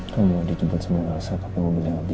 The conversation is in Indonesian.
kamu ada di tempat semua rasa kamu beli audi